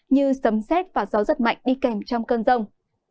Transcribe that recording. như sấm xét và gió rất mạnh đi kèm trong cơn rông